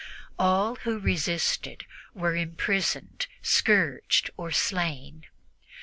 All who resisted were imprisoned, scourged or slain.